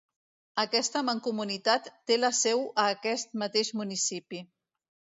Aquesta Mancomunitat té la seu a aquest mateix municipi.